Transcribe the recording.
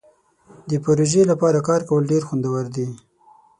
د دې پروژې لپاره کار کول ډیر خوندور دي.